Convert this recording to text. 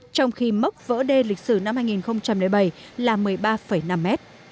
trong khi mốc vỡ đê lịch sử năm hai nghìn bảy là một mươi ba năm mét